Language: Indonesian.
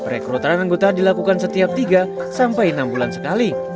rekrutan anggota dilakukan setiap tiga sampai enam bulan sekali